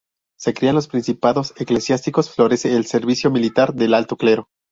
Se crean los principados eclesiásticos, florece el servicio militar del alto clero.